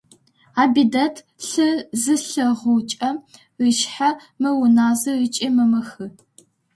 Абидэт лъы зилъэгъукӀэ ышъхьэ мэуназэ ыкӀи мэмэхы.